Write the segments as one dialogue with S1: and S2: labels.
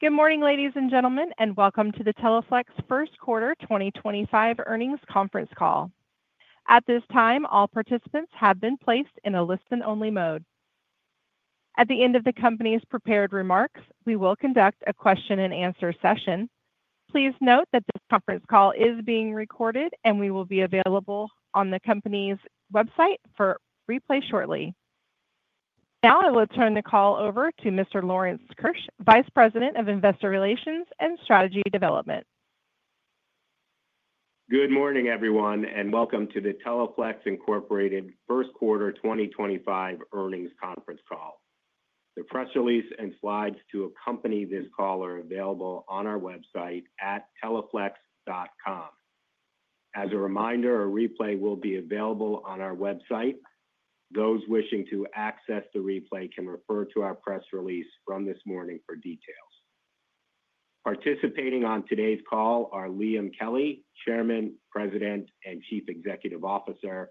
S1: Good morning, ladies and gentlemen, and welcome to the Teleflex First Quarter 2025 Earnings Conference Call. At this time, all participants have been placed in a listen-only mode. At the end of the company's prepared remarks, we will conduct a question-and-answer session. Please note that this conference call is being recorded, and we will be available on the company's website for replay shortly. Now, I will turn the call over to Mr. Lawrence Keusch, Vice President of Investor Relations and Strategy Development.
S2: Good morning, everyone, and welcome to the Teleflex Incorporated Q1 2025 earnings conference call. The press release and slides to accompany this call are available on our website at teleflex.com. As a reminder, a replay will be available on our website. Those wishing to access the replay can refer to our press release from this morning for details. Participating on today's call are Liam Kelly, Chairman, President, and Chief Executive Officer,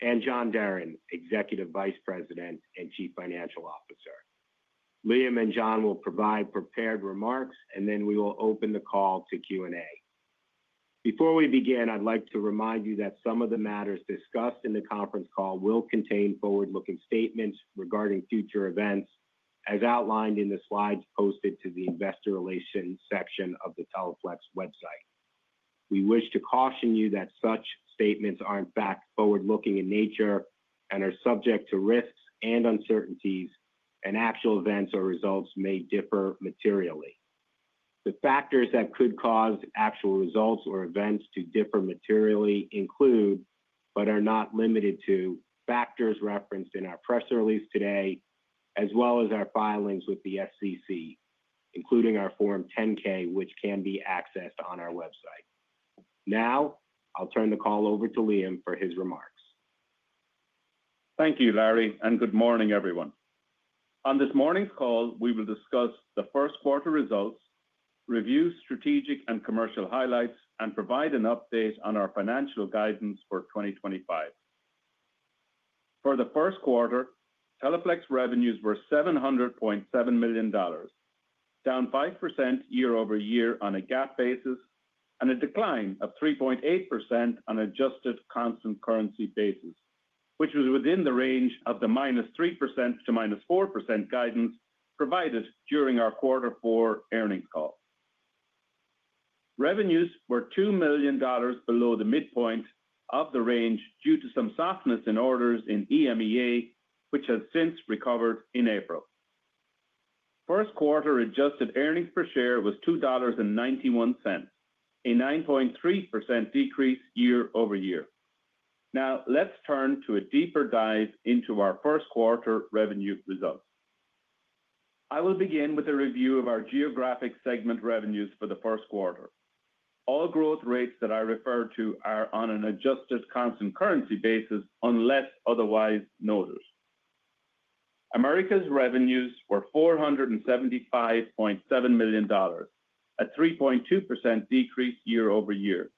S2: and John Deren, Executive Vice President and Chief Financial Officer. Liam and John will provide prepared remarks, and then we will open the call to Q&A. Before we begin, I'd like to remind you that some of the matters discussed in the conference call will contain forward-looking statements regarding future events, as outlined in the slides posted to the Investor Relations section of the Teleflex website. We wish to caution you that such statements are, in fact, forward-looking in nature and are subject to risks and uncertainties, and actual events or results may differ materially. The factors that could cause actual results or events to differ materially include, but are not limited to, factors referenced in our press release today, as well as our filings with the SEC, including our Form 10-K, which can be accessed on our website. Now, I'll turn the call over to Liam for his remarks.
S3: Thank you, Larry, and good morning, everyone. On this morning's call, we will discuss the Q1 results, review strategic and commercial highlights, and provide an update on our financial guidance for 2025. For the Q1, Teleflex revenues were $700.7 million, down 5% year-over-year on a GAAP basis and a decline of 3.8% on an adjusted constant currency basis, which was within the range of the minus 3% to minus 4% guidance provided during our Q4 earnings call. Revenues were $2 million below the midpoint of the range due to some softness in orders in EMEA, which has since recovered in April. Q1 adjusted earnings per share was $2.91, a 9.3% decrease year-over-year. Now, let's turn to a deeper dive into our Q1 revenue results. I will begin with a review of our geographic segment revenues for the Q1. All growth rates that I refer to are on an adjusted constant currency basis unless otherwise noted. Americas revenues were $475.7 million, a 3.2% decrease year-over-year.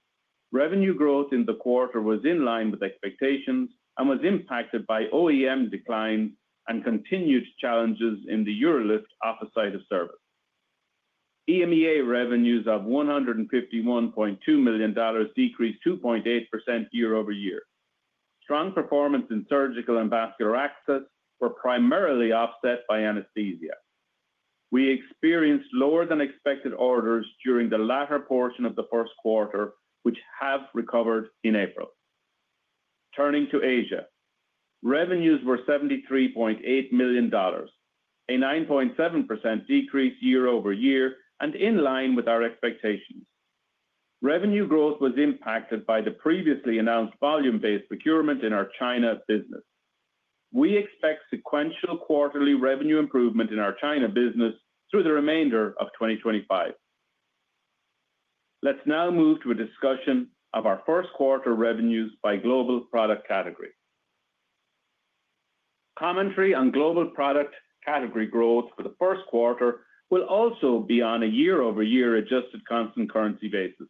S3: Revenue growth in the quarter was in line with expectations and was impacted by OEM declines and continued challenges in the UroLift office site of service. EMEA revenues of $151.2 million decreased 2.8% year-over-year. Strong performance in surgical and vascular access were primarily offset by anesthesia. We experienced lower-than-expected orders during the latter portion of the Q1, which have recovered in April. Turning to Asia, revenues were $73.8 million, a 9.7% decrease year-over-year and in line with our expectations. Revenue growth was impacted by the previously announced volume-based procurement in our China business. We expect sequential quarterly revenue improvement in our China business through the remainder of 2025. Let's now move to a discussion of our Q1 revenues by global product category. Commentary on global product category growth for the Q1 will also be on a year-over-year adjusted constant currency basis.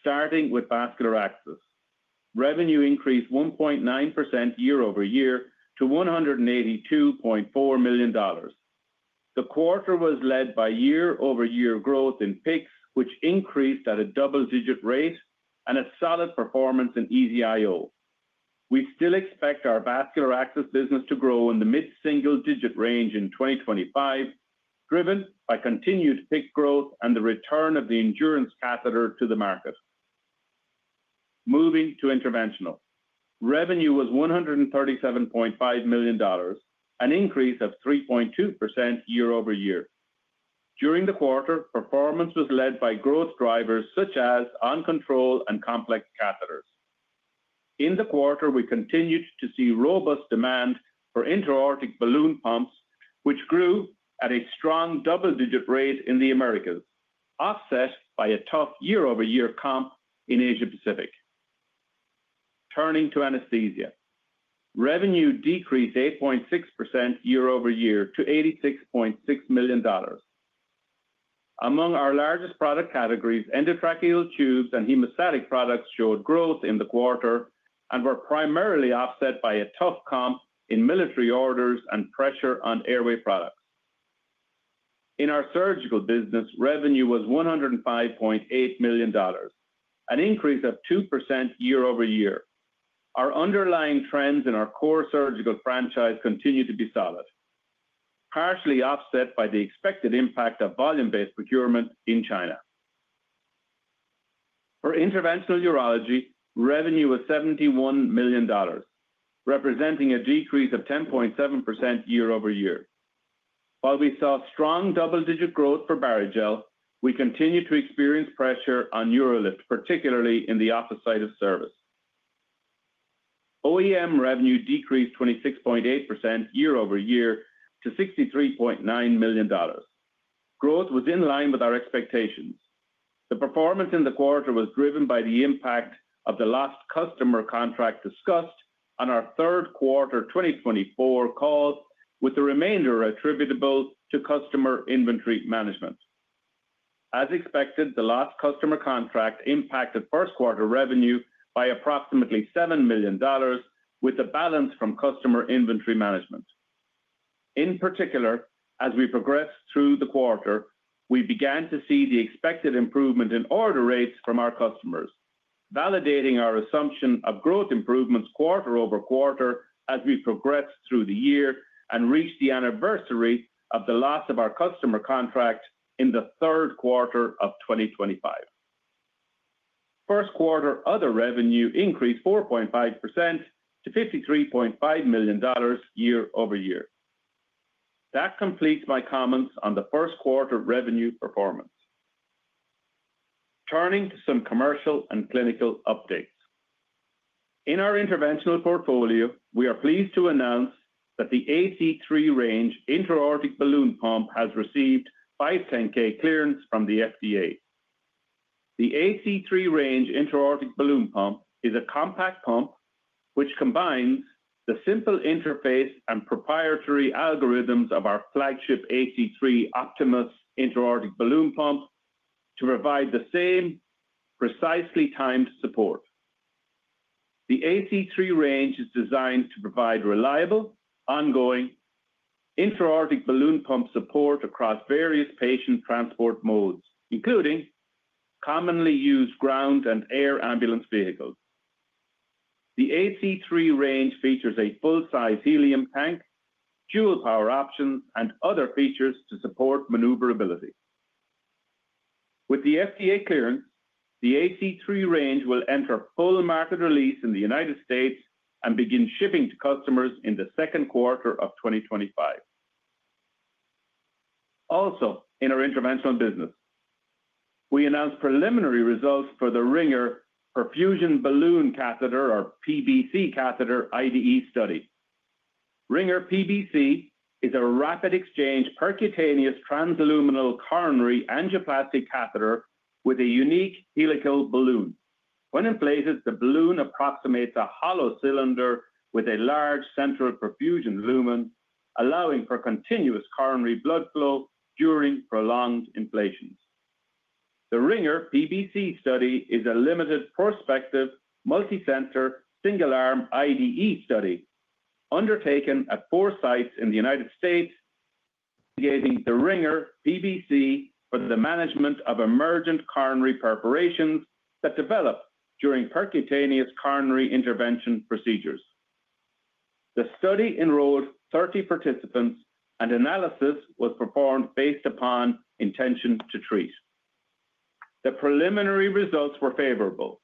S3: Starting with vascular access, revenue increased 1.9% year-over-year to $182.4 million. The quarter was led by year-over-year growth in PICCs, which increased at a double-digit rate and a solid performance in EZ-IO. We still expect our vascular access business to grow in the mid-single-digit range in 2025, driven by continued PICC growth and the return of the Endurance Catheter to the market. Moving to interventional, revenue was $137.5 million, an increase of 3.2% year-over-year. During the quarter, performance was led by growth drivers such as Complex Catheters. In the quarter, we continued to see robust demand for intra-aortic balloon pumps, which grew at a strong double-digit rate in the Americas, offset by a tough year-over-year comp in Asia. Turning to anesthesia, revenue decreased 8.6% year-over-year to $86.6 million. Among our largest product categories, endotracheal tubes and hemostatic products showed growth in the quarter and were primarily offset by a tough comp in military orders and pressure on airway products. In our surgical business, revenue was $105.8 million, an increase of 2% year-over-year. Our underlying trends in our core surgical franchise continue to be solid, partially offset by the expected impact of volume-based procurement in China. For interventional urology, revenue was $71 million, representing a decrease of 10.7% year-over-year. While we saw strong double-digit growth for Barrigel, we continue to experience pressure on UroLift, particularly in the office site of service. OEM revenue decreased 26.8% year-over-year to $63.9 million. Growth was in line with our expectations. The performance in the quarter was driven by the impact of the last customer contract discussed on our Q3 of 2024 call, with the remainder attributable to customer inventory management. As expected, the last customer contract impacted Q1 revenue by approximately $7 million, with the balance from customer inventory management. In particular, as we progressed through the quarter, we began to see the expected improvement in order rates from our customers, validating our assumption of growth improvements quarter over quarter as we progressed through the year and reached the anniversary of the loss of our customer contract in the Q3 of 2025. Q1 other revenue increased 4.5% to $53.5 million year-over-year. That completes my comments on the Q1 revenue performance. Turning to some commercial and clinical updates. In our interventional portfolio, we are pleased to announce that the AC3 Range intra-aortic balloon pump has received 510(k) clearance from the FDA. The AC3 Range intra-aortic balloon pump is a compact pump which combines the simple interface and proprietary algorithms of our flagship AC3 Optimus intra-aortic balloon pump to provide the same precisely timed support. The AC3 Range is designed to provide reliable, ongoing intra-aortic balloon pump support across various patient transport modes, including commonly used ground and air ambulance vehicles. The AC3 Range features a full-size helium tank, dual power options, and other features to support maneuverability. With the FDA clearance, the AC3 Range will enter full market release in the United States and begin shipping to customers in the Q2 of 2025. Also, in our interventional business, we announced preliminary results for the Ringer Perfusion Balloon Catheter, or PBC catheter IDE study. Perfusion Balloon Catheter is a rapid exchange percutaneous transluminal coronary angioplasty catheter with a unique helical balloon. When inflated, the balloon approximates a hollow cylinder with a large central perfusion lumen, allowing for continuous coronary blood flow during prolonged inflations. The Ringer Perfusion Balloon Catheter study is a limited prospective multi-center single-arm IDE study undertaken at four sites in the United States, gaining the Ringer Perfusion Balloon Catheter for the management of emergent coronary perforations that develop during percutaneous coronary intervention procedures. The study enrolled 30 participants, and analysis was performed based upon intention to treat. The preliminary results were favorable,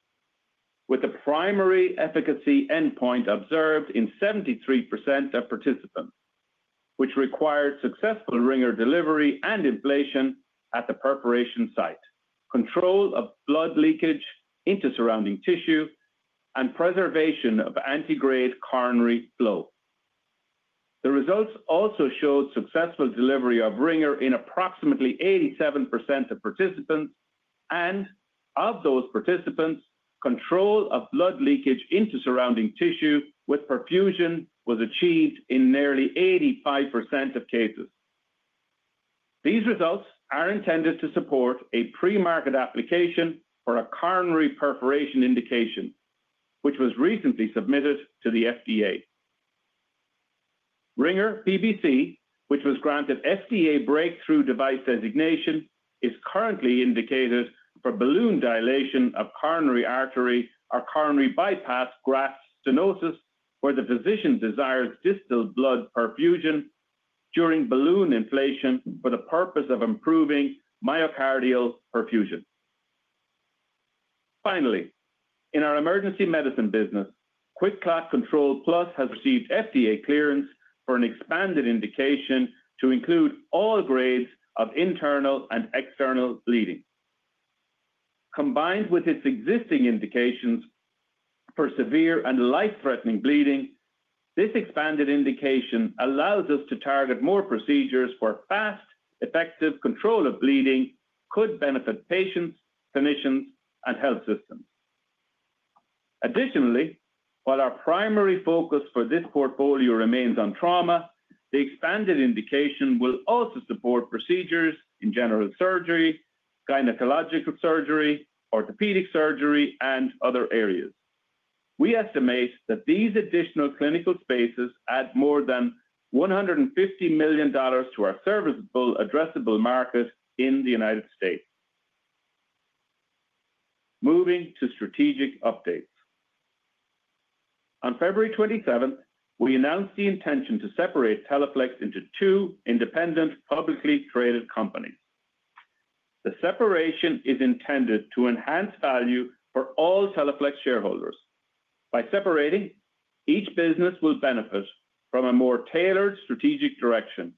S3: with the primary efficacy endpoint observed in 73% of participants, which required successful Ringer delivery and inflation at the perforation site, control of blood leakage into surrounding tissue, and preservation of antegrade coronary flow. The results also showed successful delivery of Ringer in approximately 87% of participants, and of those participants, control of blood leakage into surrounding tissue with perfusion was achieved in nearly 85% of cases. These results are intended to support a pre-market application for a coronary perforation indication, which was recently submitted to the FDA. Ringer PBC, which was granted FDA breakthrough device designation, is currently indicated for balloon dilation of coronary artery or coronary bypass graft stenosis where the physician desires distal blood perfusion during balloon inflation for the purpose of improving myocardial perfusion. Finally, in our emergency medicine business, QuikClot Control+ has received FDA clearance for an expanded indication to include all grades of internal and external bleeding. Combined with its existing indications for severe and life-threatening bleeding, this expanded indication allows us to target more procedures for fast, effective control of bleeding that could benefit patients, clinicians, and health systems. Additionally, while our primary focus for this portfolio remains on trauma, the expanded indication will also support procedures in general surgery, gynecological surgery, orthopedic surgery, and other areas. We estimate that these additional clinical spaces add more than $150 million to our serviceable, addressable market in the United States. Moving to strategic updates. On February 27, we announced the intention to separate Teleflex into two independent publicly traded companies. The separation is intended to enhance value for all Teleflex shareholders. By separating, each business will benefit from a more tailored strategic direction,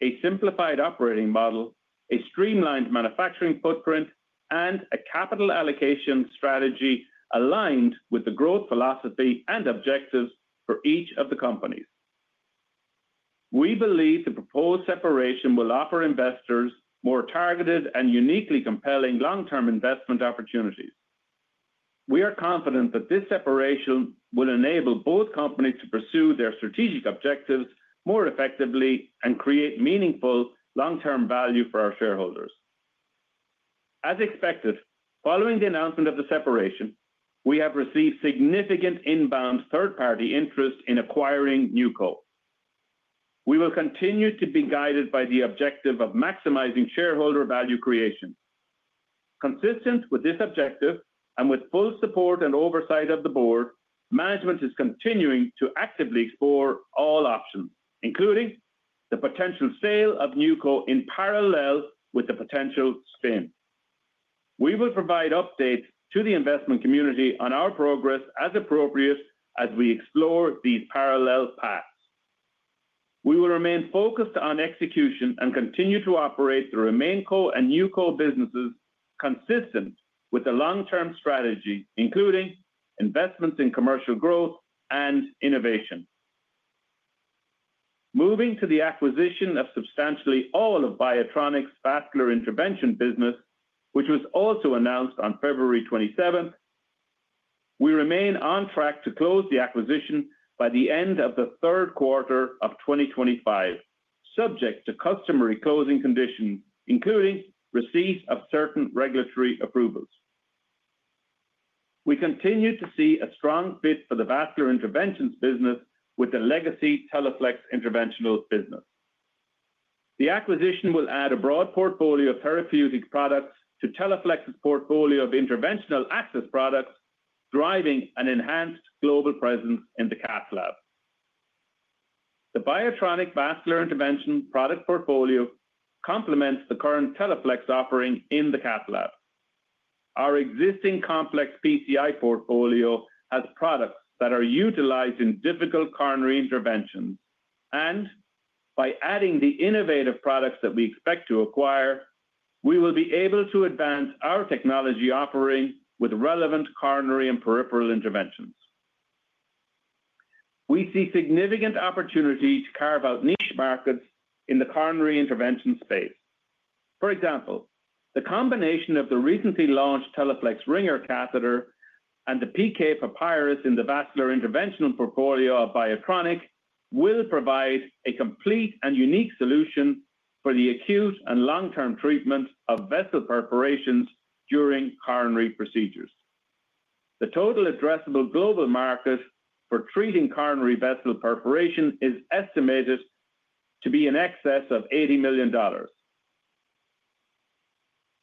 S3: a simplified operating model, a streamlined manufacturing footprint, and a capital allocation strategy aligned with the growth philosophy and objectives for each of the companies. We believe the proposed separation will offer investors more targeted and uniquely compelling long-term investment opportunities. We are confident that this separation will enable both companies to pursue their strategic objectives more effectively and create meaningful long-term value for our shareholders. As expected, following the announcement of the separation, we have received significant inbound third-party interest in acquiring NewCo. We will continue to be guided by the objective of maximizing shareholder value creation. Consistent with this objective and with full support and oversight of the board, management is continuing to actively explore all options, including the potential sale of NewCo in parallel with the potential spin. We will provide updates to the investment community on our progress as appropriate as we explore these parallel paths. We will remain focused on execution and continue to operate through RemainCo and NewCo businesses consistent with the long-term strategy, including investments in commercial growth and innovation. Moving to the acquisition of substantially all of Biotronik's vascular intervention business, which was also announced on February 27, we remain on track to close the acquisition by the end of the Q3 of 2025, subject to customary closing conditions, including receipt of certain regulatory approvals. We continue to see a strong fit for the vascular interventions business with the legacy Teleflex interventional business. The acquisition will add a broad portfolio of therapeutic products to Teleflex's portfolio of interventional access products, driving an enhanced global presence in the cath lab. The Biotronik vascular intervention product portfolio complements the current Teleflex offering in the cath lab. Our existing complex PCI portfolio has products that are utilized in difficult coronary interventions, and by adding the innovative products that we expect to acquire, we will be able to advance our technology offering with relevant coronary and peripheral interventions. We see significant opportunity to carve out niche markets in the coronary intervention space. For example, the combination of the recently launched Teleflex Ringer catheter and the PK Papyrus in the vascular interventional portfolio of Biotronik will provide a complete and unique solution for the acute and long-term treatment of vessel perforations during coronary procedures. The total addressable global market for treating coronary vessel perforation is estimated to be in excess of $80 million.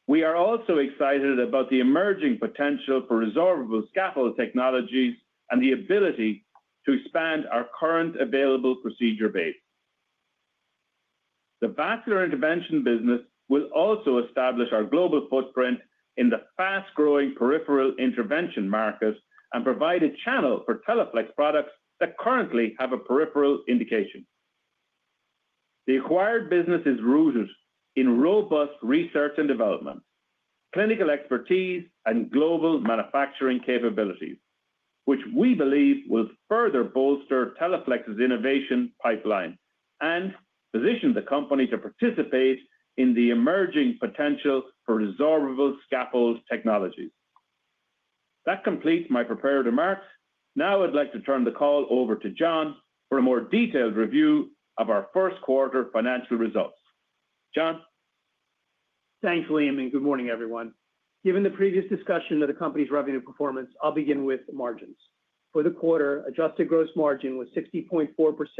S3: We are also excited about the emerging potential for resorbable scaffold technologies and the ability to expand our current available procedure base. The vascular intervention business will also establish our global footprint in the fast-growing peripheral intervention market and provide a channel for Teleflex products that currently have a peripheral indication. The acquired business is rooted in robust research and development, clinical expertise, and global manufacturing capabilities, which we believe will further bolster Teleflex's innovation pipeline and position the company to participate in the emerging potential for resorbable scaffold technologies. That completes my prepared remarks. Now I'd like to turn the call over to John for a more detailed review of our Q1 financial results. John.
S4: Thanks, Liam, and good morning, everyone. Given the previous discussion of the company's revenue performance, I'll begin with margins. For the quarter, adjusted gross margin was 60.4%,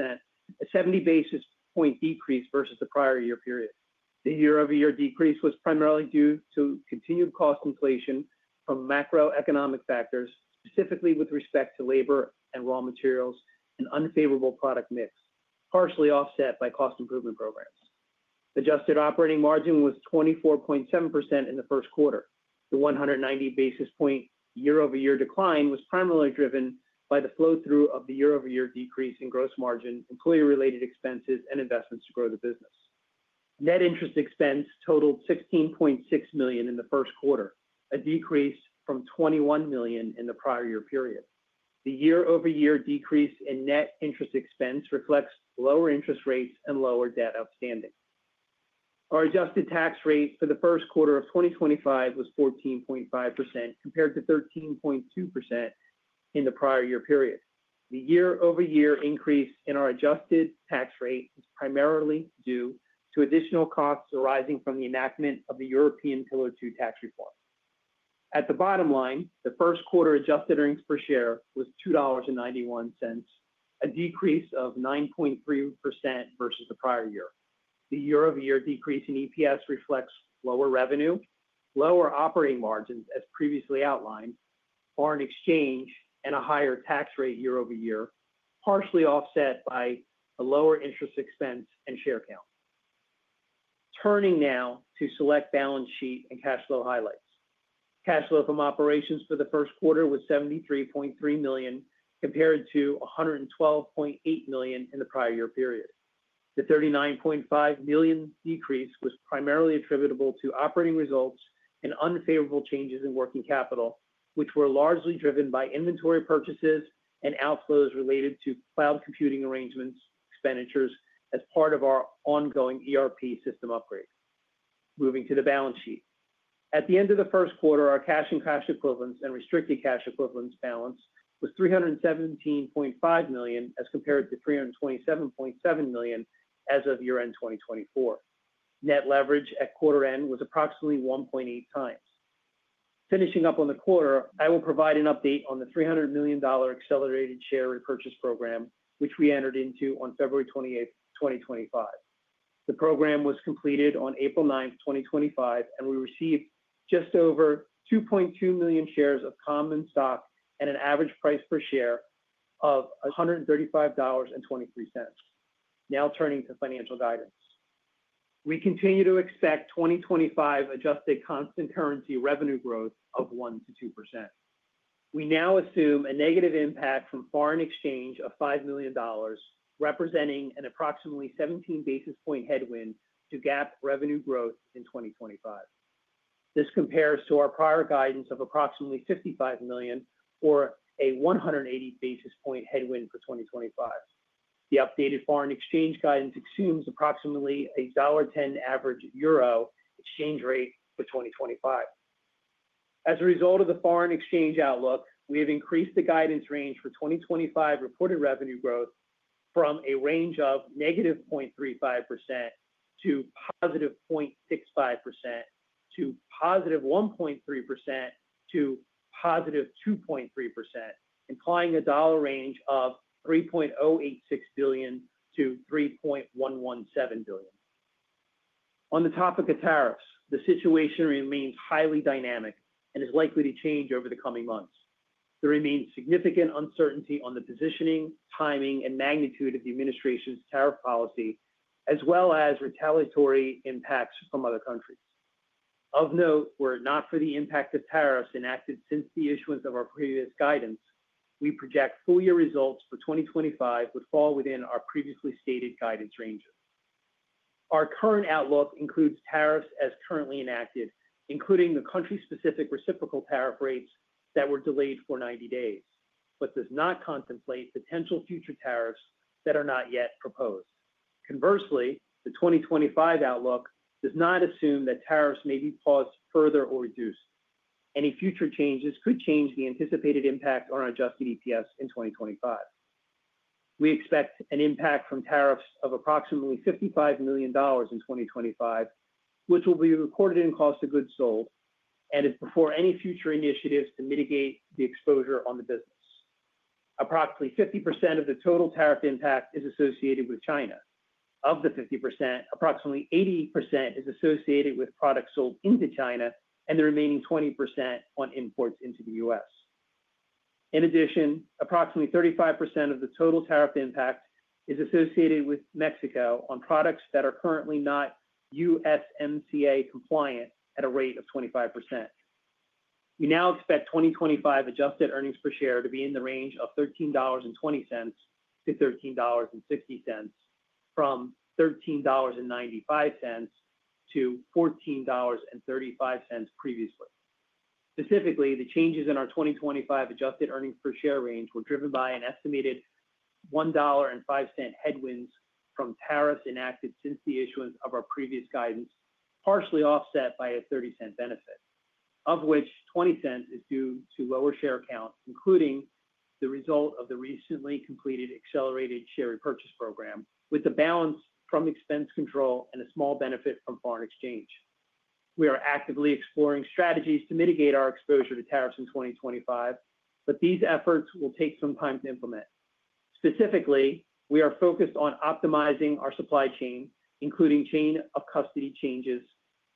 S4: a 70 basis point decrease versus the prior year period. The year-over-year decrease was primarily due to continued cost inflation from macroeconomic factors, specifically with respect to labor and raw materials and unfavorable product mix, partially offset by cost improvement programs. Adjusted operating margin was 24.7% in the Q1. The 190 basis point year-over-year decline was primarily driven by the flow-through of the year-over-year decrease in gross margin, employee-related expenses, and investments to grow the business. Net interest expense totaled $16.6 million in the Q1, a decrease from $21 million in the prior year period. The year-over-year decrease in net interest expense reflects lower interest rates and lower debt outstanding. Our adjusted tax rate for the Q1 of 2025 was 14.5%, compared to 13.2% in the prior year period. The year-over-year increase in our adjusted tax rate is primarily due to additional costs arising from the enactment of the European Pillar Two tax reform. At the bottom line, the Q1 adjusted earnings per share was $2.91, a decrease of 9.3% versus the prior year. The year-over-year decrease in EPS reflects lower revenue, lower operating margins, as previously outlined, foreign exchange, and a higher tax rate year-over-year, partially offset by a lower interest expense and share count. Turning now to select balance sheet and cash flow highlights. Cash flow from operations for the Q1 was $73.3 million, compared to $112.8 million in the prior year period. The $39.5 million decrease was primarily attributable to operating results and unfavorable changes in working capital, which were largely driven by inventory purchases and outflows related to cloud computing arrangements expenditures as part of our ongoing ERP system upgrade. Moving to the balance sheet. At the end of the Q1, our cash and cash equivalents and restricted cash equivalents balance was $317.5 million as compared to $327.7 million as of year-end 2024. Net leverage at quarter-end was approximately 1.8 times. Finishing up on the quarter, I will provide an update on the $300 million accelerated share repurchase program, which we entered into on February 28, 2025. The program was completed on April 9, 2025, and we received just over 2.2 million shares of common stock at an average price per share of $135.23. Now turning to financial guidance. We continue to expect 2025 adjusted constant currency revenue growth of 1-2%. We now assume a negative impact from foreign exchange of $5 million, representing an approximately 17 basis point headwind to GAAP revenue growth in 2025. This compares to our prior guidance of approximately $55 million or a 180 basis point headwind for 2025. The updated foreign exchange guidance assumes approximately a $1.10 average euro exchange rate for 2025. As a result of the foreign exchange outlook, we have increased the guidance range for 2025 reported revenue growth from a range of -0.35% to 0.65% to 1.3%-2.3%, implying a dollar range of $3.086 billion-$3.117 billion. On the topic of tariffs, the situation remains highly dynamic and is likely to change over the coming months. There remains significant uncertainty on the positioning, timing, and magnitude of the administration's tariff policy, as well as retaliatory impacts from other countries. Of note, were it not for the impact of tariffs enacted since the issuance of our previous guidance. We project full year results for 2025 would fall within our previously stated guidance ranges. Our current outlook includes tariffs as currently enacted, including the country-specific reciprocal tariff rates that were delayed for 90 days, but does not contemplate potential future tariffs that are not yet proposed. Conversely, the 2025 outlook does not assume that tariffs may be paused further or reduced. Any future changes could change the anticipated impact on our adjusted EPS in 2025. We expect an impact from tariffs of approximately $55 million in 2025, which will be recorded in cost of goods sold and is before any future initiatives to mitigate the exposure on the business. Approximately 50% of the total tariff impact is associated with China. Of the 50%, approximately 80% is associated with products sold into China and the remaining 20% on imports into the U.S. In addition, approximately 35% of the total tariff impact is associated with Mexico on products that are currently not USMCA compliant at a rate of 25%. We now expect 2025 adjusted earnings per share to be in the range of $13.20-$13.60, from $13.95-$14.35 previously. Specifically, the changes in our 2025 adjusted earnings per share range were driven by an estimated $1.05 headwinds from tariffs enacted since the issuance of our previous guidance, partially offset by a $0.30 benefit, of which $0.20 is due to lower share counts, including the result of the recently completed accelerated share repurchase program, with the balance from expense control and a small benefit from foreign exchange. We are actively exploring strategies to mitigate our exposure to tariffs in 2025, but these efforts will take some time to implement. Specifically, we are focused on optimizing our supply chain, including chain of custody changes,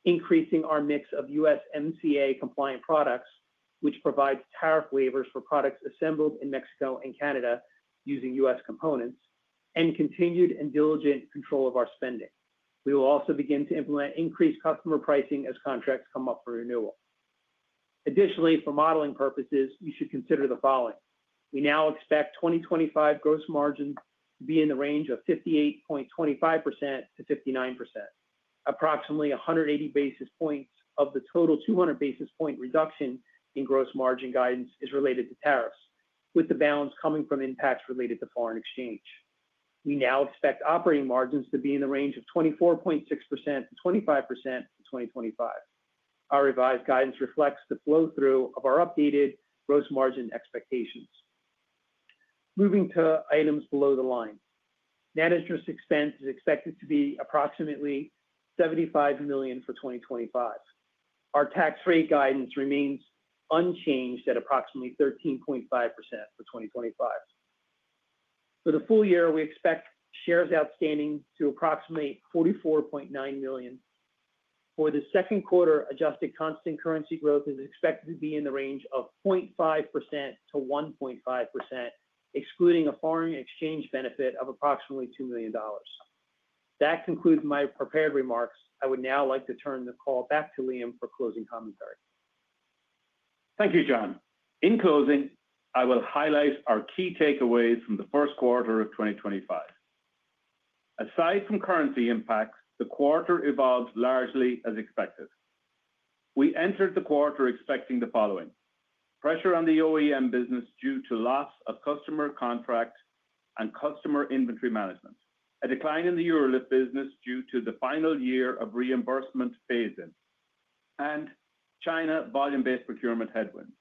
S4: increasing our mix of USMCA compliant products, which provides tariff waivers for products assembled in Mexico and Canada using US components, and continued and diligent control of our spending. We will also begin to implement increased customer pricing as contracts come up for renewal. Additionally, for modeling purposes, you should consider the following. We now expect 2025 gross margin to be in the range of 58.25%-59%. Approximately 180 basis points of the total 200 basis point reduction in gross margin guidance is related to tariffs, with the balance coming from impacts related to foreign exchange. We now expect operating margins to be in the range of 24.6%-25% in 2025. Our revised guidance reflects the flow-through of our updated gross margin expectations. Moving to items below the line. Net interest expense is expected to be approximately $75 million for 2025. Our tax rate guidance remains unchanged at approximately 13.5% for 2025. For the full year, we expect shares outstanding to approximate 44.9 million. For the Q2, adjusted constant currency growth is expected to be in the range of 0.5%-1.5%, excluding a foreign exchange benefit of approximately $2 million. That concludes my prepared remarks. I would now like to turn the call back to Liam for closing commentary.
S3: Thank you, John. In closing, I will highlight our key takeaways from the Q1 of 2025. Aside from currency impacts, the quarter evolved largely as expected. We entered the quarter expecting the following: pressure on the OEM business due to loss of customer contract and customer inventory management, a decline in the UroLift business due to the final year of reimbursement phasing, and China volume-based procurement headwinds.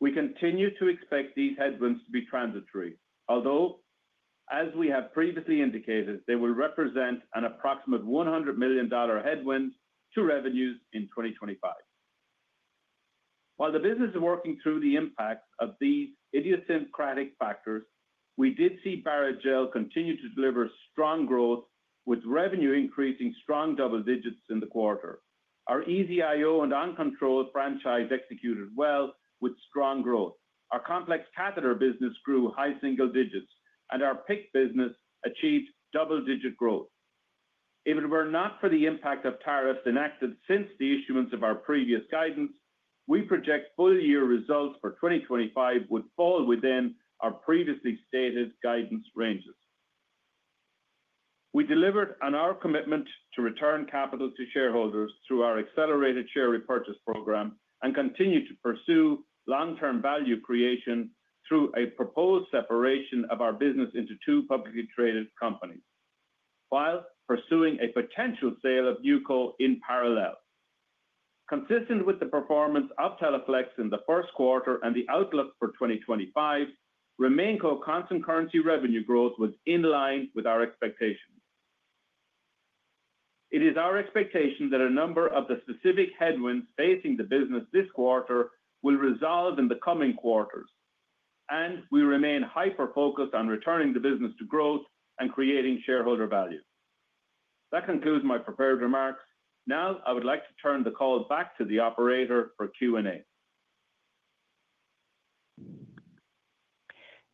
S3: We continue to expect these headwinds to be transitory, although, as we have previously indicated, they will represent an approximate $100 million headwind to revenues in 2025. While the business is working through the impacts of these idiosyncratic factors, we did see Barrigel continue to deliver strong growth, with revenue increasing strong double digits in the quarter. Our EZ-IO and OnControl franchise executed well with strong growth. Our complex catheter business grew high single digits, and our PICC business achieved double-digit growth. If it were not for the impact of tariffs enacted since the issuance of our previous guidance, we project full year results for 2025 would fall within our previously stated guidance ranges. We delivered on our commitment to return capital to shareholders through our accelerated share repurchase program and continue to pursue long-term value creation through a proposed separation of our business into two publicly traded companies, while pursuing a potential sale of NewCo in parallel. Consistent with the performance of Teleflex in the Q1 and the outlook for 2025, RemainCo constant currency revenue growth was in line with our expectations. It is our expectation that a number of the specific headwinds facing the business this quarter will resolve in the coming quarters, and we remain hyper-focused on returning the business to growth and creating shareholder value. That concludes my prepared remarks. Now I would like to turn the call back to the operator for Q&A.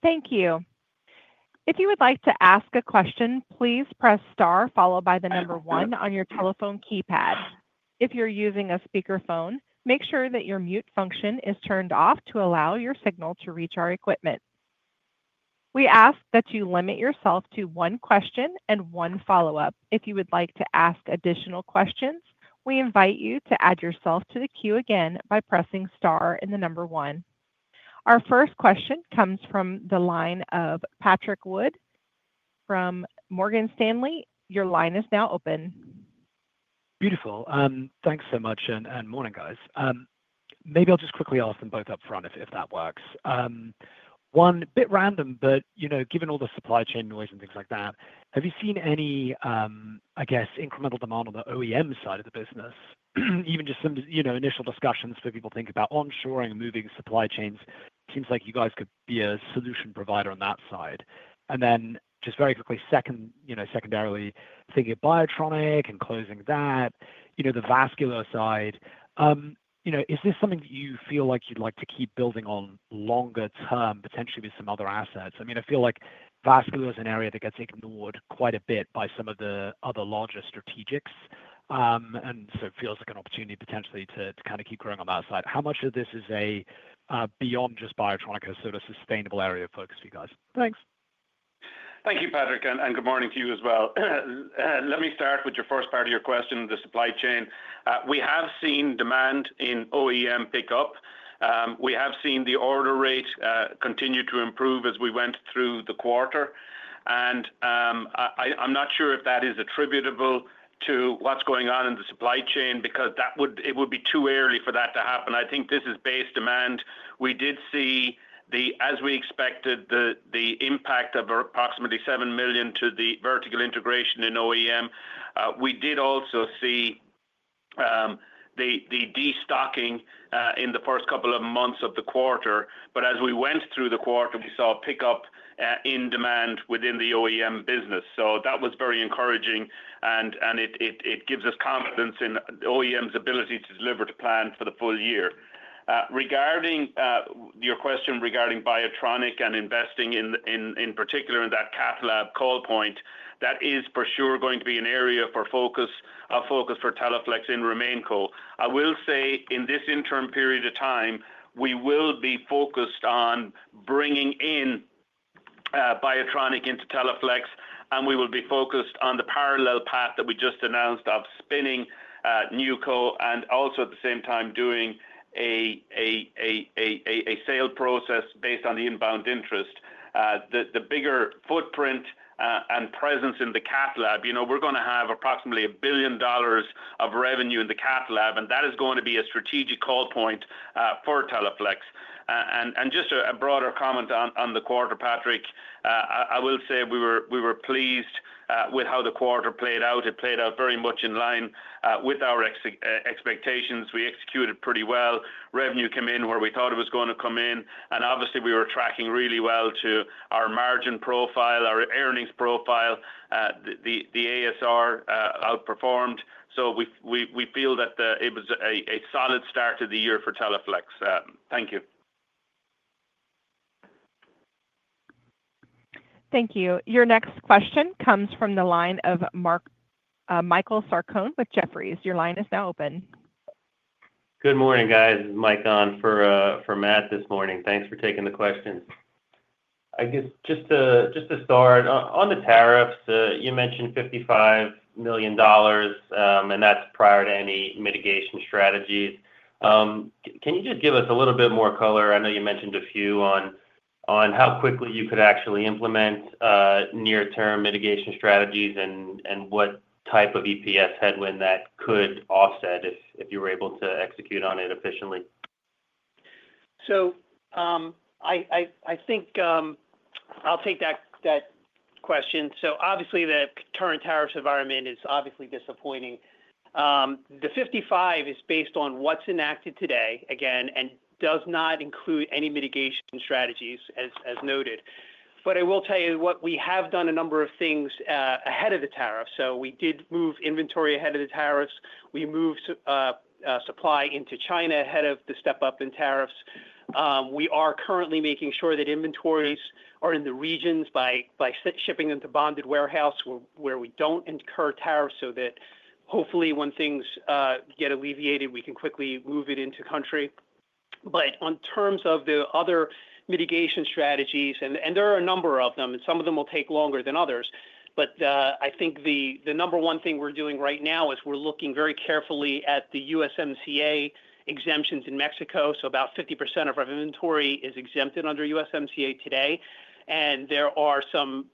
S1: Thank you. If you would like to ask a question, please press star followed by the number one on your telephone keypad. If you're using a speakerphone, make sure that your mute function is turned off to allow your signal to reach our equipment. We ask that you limit yourself to one question and one follow-up. If you would like to ask additional questions, we invite you to add yourself to the queue again by pressing star and the number one. Our first question comes from the line of Patrick Wood from Morgan Stanley. Your line is now open.
S5: Beautiful. Thanks so much. Morning, guys. Maybe I'll just quickly ask them both up front if that works. One bit random, but given all the supply chain noise and things like that, have you seen any, I guess, incremental demand on the OEM side of the business? Even just some initial discussions where people think about onshoring and moving supply chains. Seems like you guys could be a solution provider on that side. And then just very quickly, secondarily, thinking of Biotronik and closing that, the vascular side, is this something that you feel like you'd like to keep building on longer term, potentially with some other assets? I mean, I feel like vascular is an area that gets ignored quite a bit by some of the other larger strategics, and so it feels like an opportunity potentially to kind of keep growing on that side. How much of this is beyond just Biotronik as sort of sustainable area of focus for you guys? Thanks.
S3: Thank you, Patrick, and good morning to you as well. Let me start with your first part of your question, the supply chain. We have seen demand in OEM pick up. We have seen the order rate continue to improve as we went through the quarter. I'm not sure if that is attributable to what's going on in the supply chain because it would be too early for that to happen. I think this is base demand. We did see, as we expected, the impact of approximately $7 million to the vertical integration in OEM. We did also see the destocking in the first couple of months of the quarter. As we went through the quarter, we saw a pick up in demand within the OEM business. That was very encouraging, and it gives us confidence in OEM's ability to deliver to plan for the full year. Regarding your question regarding Biotronik and investing in particular in that Cath Lab call point, that is for sure going to be an area of focus for Teleflex and RemainCo. I will say in this interim period of time, we will be focused on bringing in Biotronik into Teleflex, and we will be focused on the parallel path that we just announced of spinning NewCo and also at the same time doing a sale process based on the inbound interest. The bigger footprint and presence in the Cath Lab, we're going to have approximately $1 billion of revenue in the Cath Lab, and that is going to be a strategic call point for Teleflex. Just a broader comment on the quarter, Patrick, I will say we were pleased with how the quarter played out. It played out very much in line with our expectations. We executed pretty well. Revenue came in where we thought it was going to come in. Obviously, we were tracking really well to our margin profile, our earnings profile. The ASR outperformed. We feel that it was a solid start to the year for Teleflex. Thank you.
S1: Thank you. Your next question comes from the line of Michael Sarcone with Jefferies. Your line is now open.
S6: Good morning, guys. This is Mike on for Matt this morning. Thanks for taking the questions. I guess just to start, on the tariffs, you mentioned $55 million, and that's prior to any mitigation strategies. Can you just give us a little bit more color? I know you mentioned a few on how quickly you could actually implement near-term mitigation strategies and what type of EPS headwind that could offset if you were able to execute on it efficiently.
S4: I think I'll take that question. Obviously, the current tariffs environment is obviously disappointing. The $55 million is based on what's enacted today, again, and does not include any mitigation strategies, as noted. I will tell you what, we have done a number of things ahead of the tariffs. We did move inventory ahead of the tariffs. We moved supply into China ahead of the step-up in tariffs. We are currently making sure that inventories are in the regions by shipping them to bonded warehouse where we do not incur tariffs so that hopefully when things get alleviated, we can quickly move it into country. In terms of the other mitigation strategies, and there are a number of them, and some of them will take longer than others, I think the number one thing we are doing right now is we are looking very carefully at the USMCA exemptions in Mexico. About 50% of our inventory is exempted under USMCA today, and there are some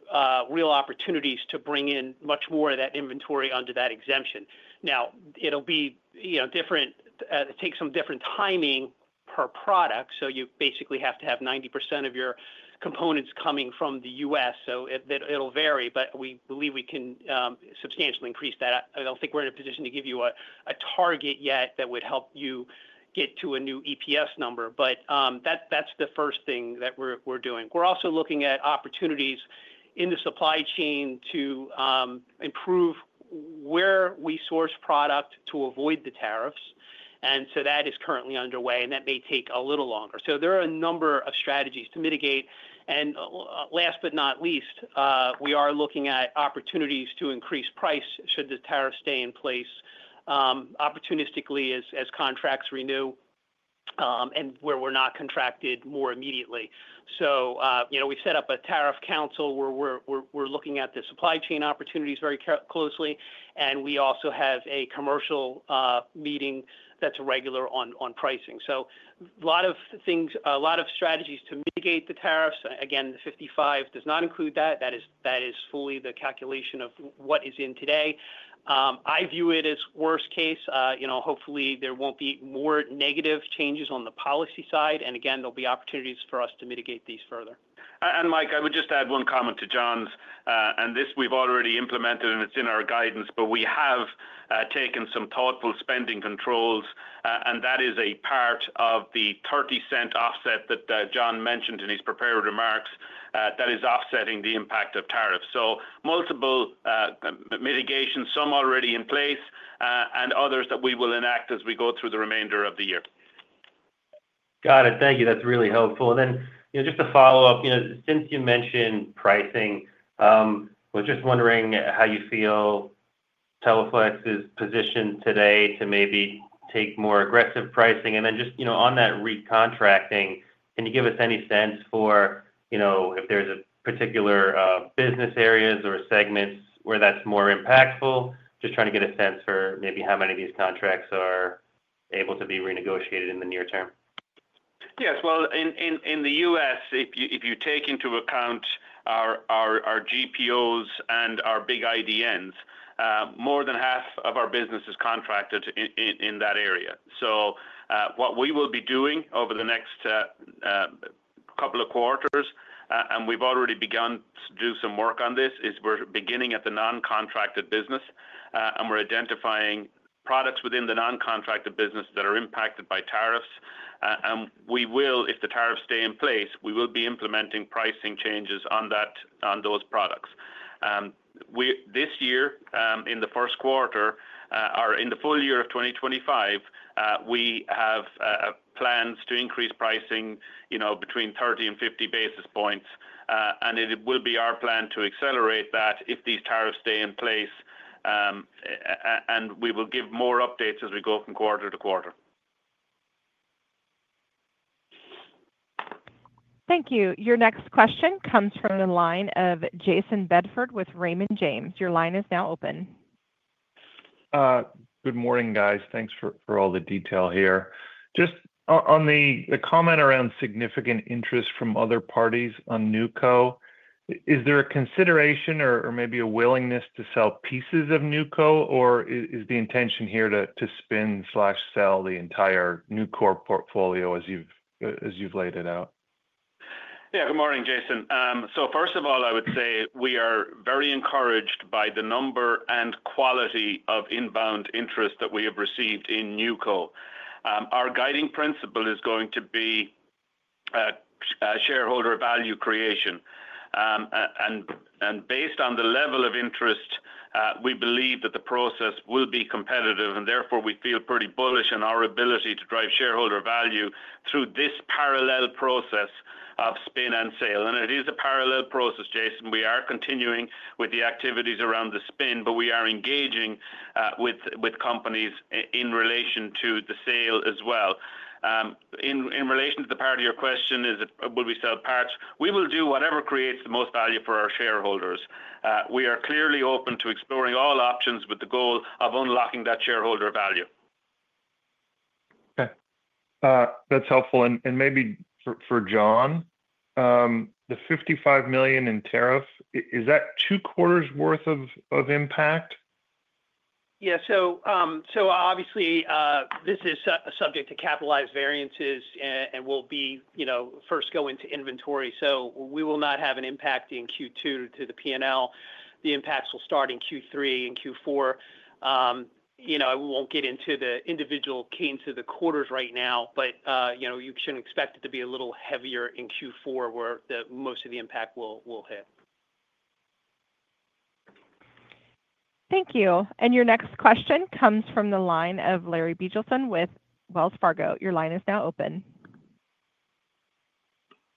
S4: real opportunities to bring in much more of that inventory under that exemption. Now, it'll be different. It takes some different timing per product, so you basically have to have 90% of your components coming from the U.S. It will vary, but we believe we can substantially increase that. I don't think we're in a position to give you a target yet that would help you get to a new EPS number, but that's the first thing that we're doing. We're also looking at opportunities in the supply chain to improve where we source product to avoid the tariffs. That is currently underway, and that may take a little longer. There are a number of strategies to mitigate. Last but not least, we are looking at opportunities to increase price should the tariffs stay in place opportunistically as contracts renew and where we're not contracted more immediately. We set up a tariff council where we're looking at the supply chain opportunities very closely, and we also have a commercial meeting that's a regular on pricing. A lot of things, a lot of strategies to mitigate the tariffs. Again, the 55 does not include that. That is fully the calculation of what is in today. I view it as worst case. Hopefully, there won't be more negative changes on the policy side, and again, there will be opportunities for us to mitigate these further.
S3: Mike, I would just add one comment to John's. This we've already implemented, and it's in our guidance, but we have taken some thoughtful spending controls, and that is a part of the $0.30 offset that John mentioned in his prepared remarks that is offsetting the impact of tariffs. Multiple mitigations, some already in place, and others that we will enact as we go through the remainder of the year.
S6: Got it. Thank you. That is really helpful. Just to follow up, since you mentioned pricing, we are just wondering how you feel Teleflex is positioned today to maybe take more aggressive pricing. Just on that recontracting, can you give us any sense for if there are particular business areas or segments where that is more impactful? Just trying to get a sense for maybe how many of these contracts are able to be renegotiated in the near term.
S3: Yes. In the U.S., if you take into account our GPOs and our big IDNs, more than half of our business is contracted in that area. What we will be doing over the next couple of quarters, and we've already begun to do some work on this, is we're beginning at the non-contracted business, and we're identifying products within the non-contracted business that are impacted by tariffs. If the tariffs stay in place, we will be implementing pricing changes on those products. This year, in the Q1, or in the full year of 2025, we have plans to increase pricing between 30 and 50 basis points, and it will be our plan to accelerate that if these tariffs stay in place, and we will give more updates as we go from quarter to quarter.
S1: Thank you. Your next question comes from the line of Jayson Bedford with Raymond James. Your line is now open.
S7: Good morning, guys. Thanks for all the detail here. Just on the comment around significant interest from other parties on NewCo, is there a consideration or maybe a willingness to sell pieces of NewCo, or is the intention here to spin/sell the entire NewCo portfolio as you've laid it out?
S3: Yeah. Good morning, Jason. First of all, I would say we are very encouraged by the number and quality of inbound interest that we have received in NewCo. Our guiding principle is going to be shareholder value creation. Based on the level of interest, we believe that the process will be competitive, and therefore we feel pretty bullish on our ability to drive shareholder value through this parallel process of spin and sale. It is a parallel process, Jayson. We are continuing with the activities around the spin, but we are engaging with companies in relation to the sale as well. In relation to the part of your question, will we sell parts? We will do whatever creates the most value for our shareholders. We are clearly open to exploring all options with the goal of unlocking that shareholder value.
S7: Okay. That's helpful. And maybe for John, the $55 million in tariff, is that two quarters' worth of impact?
S4: Yeah. This is subject to capitalized variances and will first go into inventory. We will not have an impact in Q2 to the P&L. The impacts will start in Q3 and Q4. I won't get into the individual key into the quarters right now, but you shouldn't expect it to be a little heavier in Q4 where most of the impact will hit.
S1: Thank you. Your next question comes from the line of Larry Biegelsen with Wells Fargo. Your line is now open.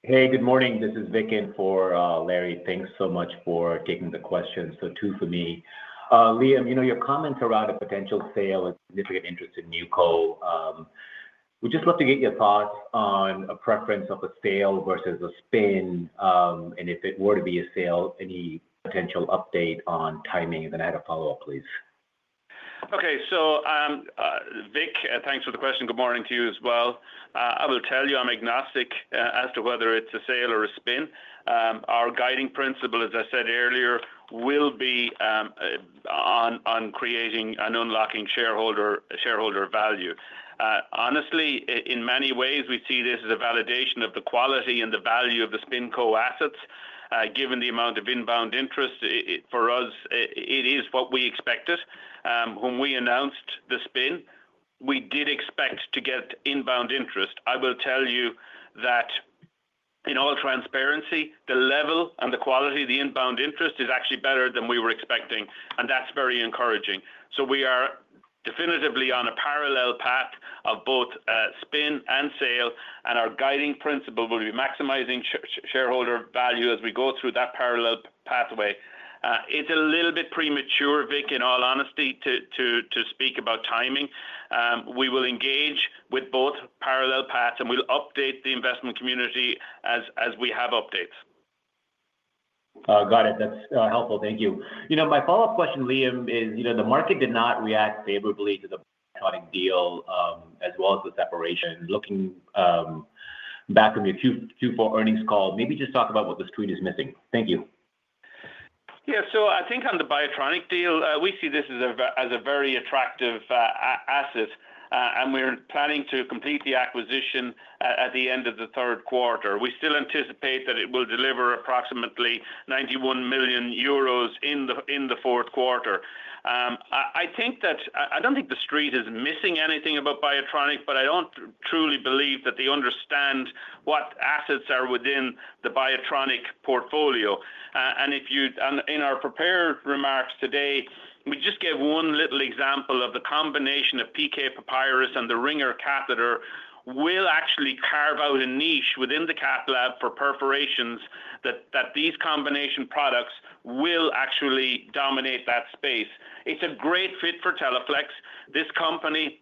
S1: Hey, good morning. This is Vik in for Larry. Thanks so much for taking the question. Two for me. Liam, your comments around a potential sale and significant interest in NewCo, we'd just love to get your thoughts on a preference of a sale versus a spin. If it were to be a sale, any potential update on timing? I had a follow-up, please.
S3: Okay. Vik, thanks for the question. Good morning to you as well. I will tell you I'm agnostic as to whether it's a sale or a spin. Our guiding principle, as I said earlier, will be on creating and unlocking shareholder value. Honestly, in many ways, we see this as a validation of the quality and the value of the SpinCo assets. Given the amount of inbound interest, for us, it is what we expected. When we announced the spin, we did expect to get inbound interest. I will tell you that in all transparency, the level and the quality of the inbound interest is actually better than we were expecting, and that's very encouraging. We are definitively on a parallel path of both spin and sale, and our guiding principle will be maximizing shareholder value as we go through that parallel pathway. It's a little bit premature, Vik, in all honesty, to speak about timing. We will engage with both parallel paths, and we'll update the investment community as we have updates. Got it. That's helpful. Thank you. My follow-up question, Liam, is the market did not react favorably to the deal as well as the separation. Looking back on your Q4 earnings call, maybe just talk about what the screen is missing. Thank you. Yeah. I think on the Biotronik deal, we see this as a very attractive asset, and we're planning to complete the acquisition at the end of the Q3. We still anticipate that it will deliver approximately 91 million euros in the Q4. I don't think the screen is missing anything about Biotronik, but I don't truly believe that they understand what assets are within the Biotronik portfolio. In our prepared remarks today, we just gave one little example of the combination of PK Papyrus and the Ringer catheter will actually carve out a niche within the Cath Lab for perforations that these combination products will actually dominate that space. It's a great fit for Teleflex. This company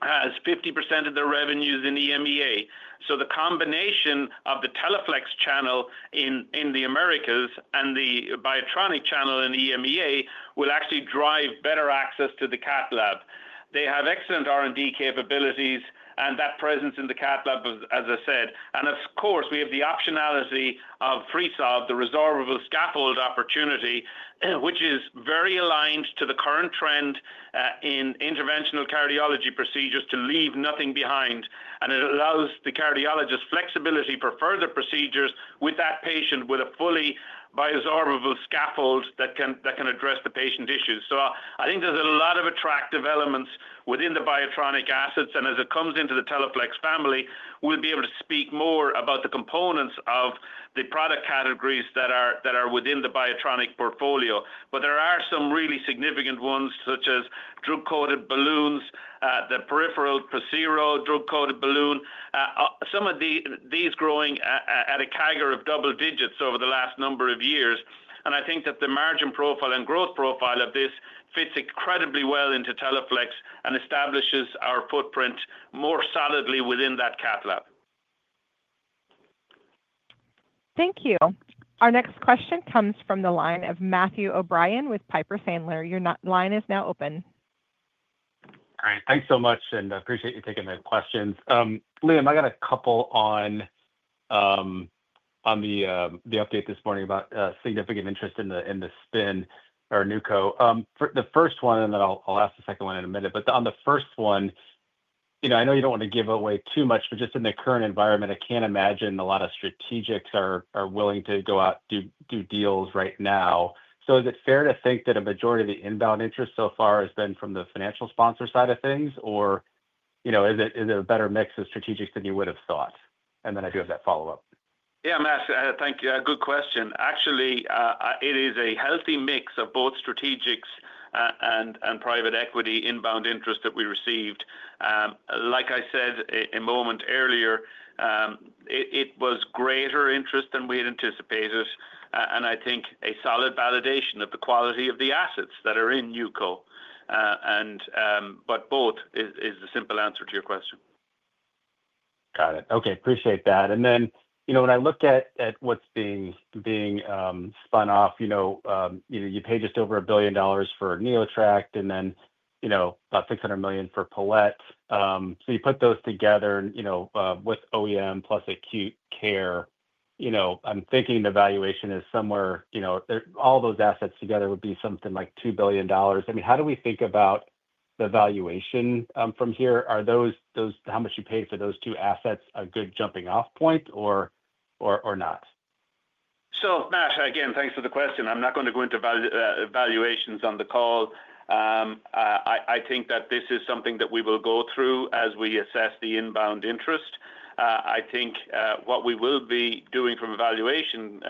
S3: has 50% of their revenues in EMEA. The combination of the Teleflex channel in the Americas and the Biotronik channel in EMEA will actually drive better access to the Cath Lab. They have excellent R&D capabilities and that presence in the Cath Lab, as I said. Of course, we have the optionality of Freesolve, the resorbable scaffold opportunity, which is very aligned to the current trend in interventional cardiology procedures to leave nothing behind. It allows the cardiologist flexibility for further procedures with that patient with a fully biosorbable scaffold that can address the patient issues. I think there is a lot of attractive elements within the Biotronik assets. As it comes into the Teleflex family, we will be able to speak more about the components of the product categories that are within the Biotronik portfolio. There are some really significant ones, such as drug-coated balloons, the peripheral Passeo drug-coated balloon. Some of these are growing at a CAGR of double digits over the last number of years. I think that the margin profile and growth profile of this fits incredibly well into Teleflex and establishes our footprint more solidly within that Cath Lab.
S1: Thank you. Our next question comes from the line of Matthew O'Brien with Piper Sandler. Your line is now open.
S8: All right. Thanks so much, and I appreciate you taking the questions. Liam, I got a couple on the update this morning about significant interest in the spin or NewCo. The first one, and then I'll ask the second one in a minute. On the first one, I know you do not want to give away too much, but just in the current environment, I cannot imagine a lot of strategics are willing to go out and do deals right now. Is it fair to think that a majority of the inbound interest so far has been from the financial sponsor side of things, or is it a better mix of strategics than you would have thought? I do have that follow-up.
S3: Yeah, Matt. Thank you. Good question. Actually, it is a healthy mix of both strategics and private equity inbound interest that we received. Like I said a moment earlier, it was greater interest than we had anticipated, and I think a solid validation of the quality of the assets that are in NewCo. Both is the simple answer to your question.
S8: Got it. Okay. Appreciate that. When I look at what's being spun off, you pay just over $1 billion for NeoTract and then about $600 million for Palette. You put those together with OEM plus acute care. I'm thinking the valuation is somewhere all those assets together would be something like $2 billion. I mean, how do we think about the valuation from here? Are those how much you paid for those two assets a good jumping-off point or not?
S3: Matt, again, thanks for the question. I'm not going to go into valuations on the call. I think that this is something that we will go through as we assess the inbound interest. I think what we will be doing from a valuation